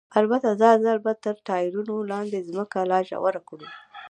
البته دا ځل به تر ټایرونو لاندې ځمکه لا ژوره کړو.